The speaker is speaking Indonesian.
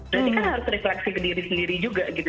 berarti kan harus refleksi ke diri sendiri juga gitu